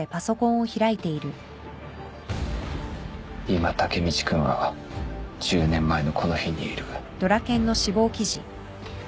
今タケミチ君は１０年前のこの日にいる。